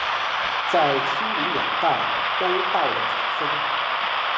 在清民两代都到了顶峰。